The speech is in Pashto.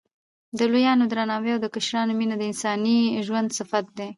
د لویانو درناوی او د کشرانو مینه د انساني ژوند صفت دی.